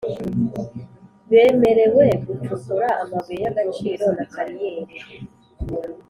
Bemerewe gucukura amabuye y’gaciro na kariyeri